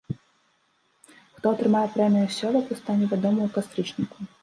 Хто атрымае прэмію сёлета, стане вядома ў кастрычніку.